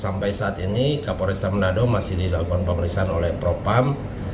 sampai saat ini kapolresta menado masih dilakukan pemeriksaan oleh propam